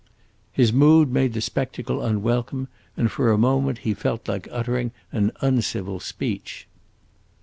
His mood made the spectacle unwelcome, and for a moment he felt like uttering an uncivil speech.